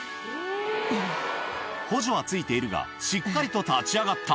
補助はついているが、しっかりと立ち上がった。